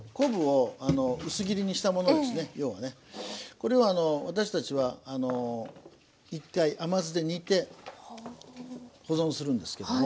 これをあの私たちは一回甘酢で煮て保存するんですけども。